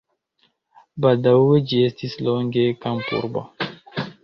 Baldaŭe ĝi estis longe kampurbo.